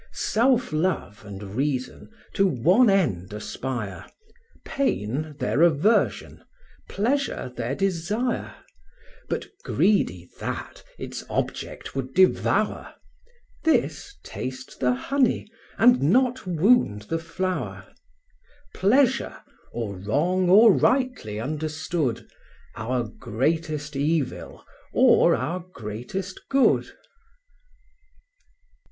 Self love and reason to one end aspire, Pain their aversion, pleasure their desire; But greedy that, its object would devour, This taste the honey, and not wound the flower: Pleasure, or wrong or rightly understood, Our greatest evil, or our greatest good.